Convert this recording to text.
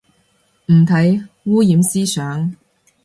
唔睇，污染思想